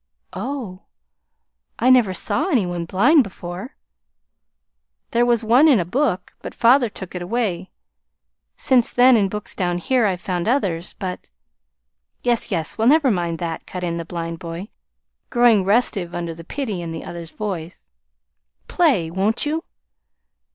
"Oh! I never saw any one blind before. There was one in a book but father took it away. Since then, in books down here, I've found others but " "Yes, yes. Well, never mind that," cut in the blind boy, growing restive under the pity in the other's voice. "Play. Won't you?"